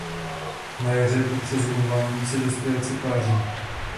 Na jaře po přezimování se dospělci páří.